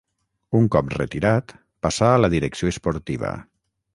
Un cop retirat, passà a la direcció esportiva.